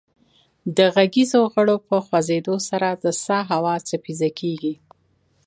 د غږیزو غړو په خوځیدو سره د سا هوا څپیزه کیږي